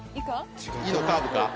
「い」のカーブか？